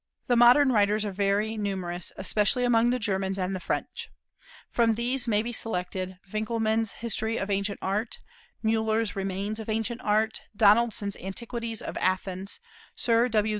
The modern writers are very numerous, especially among the Germans and the French. From these may be selected Winckelmann's History of Ancient Art; Müller's Remains of Ancient Art; Donaldson's Antiquities of Athens; Sir W.